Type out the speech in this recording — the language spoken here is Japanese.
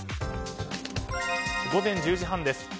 午前１０時半です。